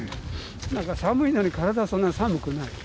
何か寒いのに体はそんなに寒くない。